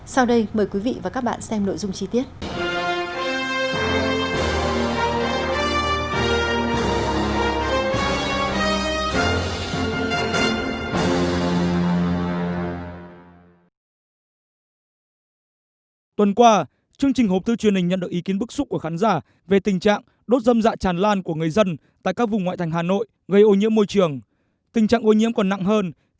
sau đây mời quý vị và các bạn xem nội dung chi tiết